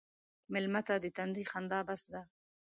مېلمه ته د تندي خندا بس ده.